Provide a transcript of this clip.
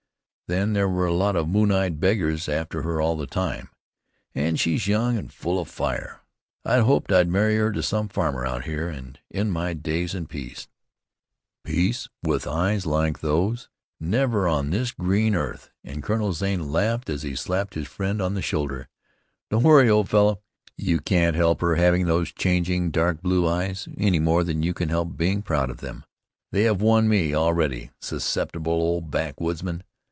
Then there were a lot of moon eyed beggars after her all the time, and she's young and full of fire. I hoped I'd marry her to some farmer out here, and end my days in peace." "Peace? With eyes like those? Never on this green earth," and Colonel Zane laughed as he slapped his friend on the shoulder. "Don't worry, old fellow. You can't help her having those changing dark blue eyes any more than you can help being proud of them. They have won me, already, susceptible old backwoodsman!